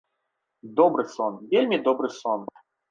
Добры сон, вельмі добры сон!